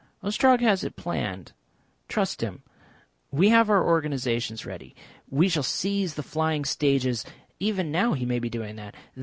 "Ostrog has it planned. Trust him. We have our organisations ready. We shall seize the flying stages . Even now he may be doing that.